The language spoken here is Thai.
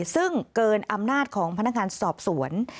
ซึ่งเกินอำนาจของพนักงานสอบสวน